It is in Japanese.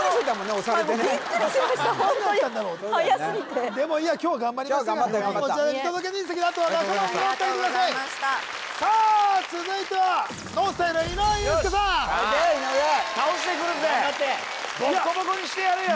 押されてねビックリしましたはやすぎてでも今日は頑張りましたから今日は頑張った見届け人席であとは仲間を見守ってあげてくださいさあ続いてはＮＯＮＳＴＹＬＥ井上裕介さん倒してくるぜ・頑張ってボッコボコにしてやるよ